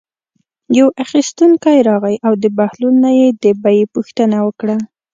یو اخیستونکی راغی او د بهلول نه یې د بیې پوښتنه وکړه.